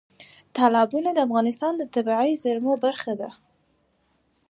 تالابونه د افغانستان د طبیعي زیرمو برخه ده.